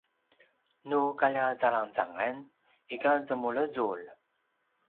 nu kaljazalangezangan ika zemulezul